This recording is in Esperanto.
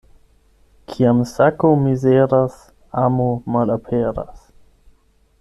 Kiam sako mizeras, amo malaperas.